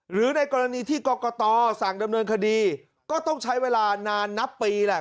หรือในกรณีที่กรกตสั่งดำเนินคดีก็ต้องใช้เวลานานนับปีแหละ